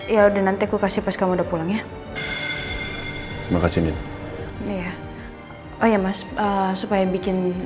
ya udah nanti aku kasih pas kamu udah pulang ya makasih oh ya mas supaya bikin